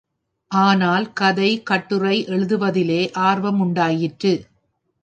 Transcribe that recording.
ஆனால், கதை, கட்டுரை எழுதுவதிலே ஆர்வம் உண்டாயிற்று.